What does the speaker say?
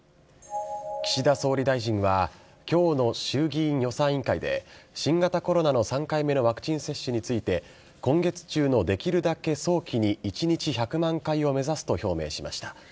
岸田総理大臣は、きょうの衆議院予算委員会で、新型コロナの３回目のワクチン接種について、今月中のできるだけ早期に１日１００万回を目指すと表明しました。